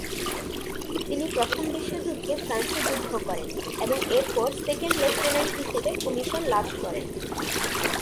তিনি প্রথম বিশ্বযুদ্ধে ফ্রান্সে যুদ্ধ করেন এবং এরপর সেকেন্ড লেফটেন্যান্ট হিসেবে কমিশন লাভ করেন।